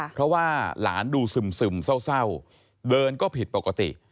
เพราะว่าหลานดูซึมเศร้าเดินก็ผิดปกติ